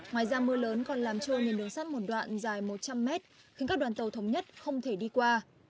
ngoài ra mưa lớn còn làm trôi nền đường sắt một đoạn dài một trăm linh mét khiến các đoàn tàu thống nhất không thể đi qua